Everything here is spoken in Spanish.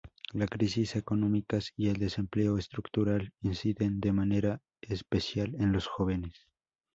Las crisis económicas y el desempleo estructural inciden de manera especial en los jóvenes.